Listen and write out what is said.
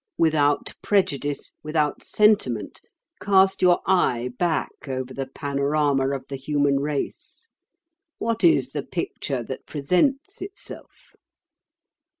Without prejudice, without sentiment, cast your eye back over the panorama of the human race. What is the picture that presents itself?